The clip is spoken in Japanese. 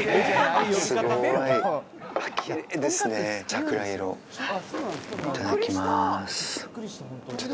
いただきます。